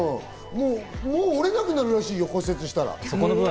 もう折れなくなるらしいよ、骨折したところは。